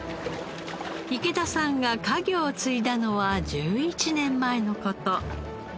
池田さんが家業を継いだのは１１年前の事。